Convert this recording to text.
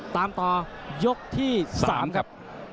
ตามต่อยกที่๓ครับ